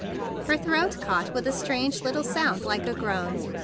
Her throat caught with a queer little sound like a groan.